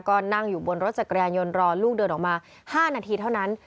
ก็นั่งอยู่บนรถจักรยานยนต์รอลูกเดินออกมา๕นาทีเท่านั้น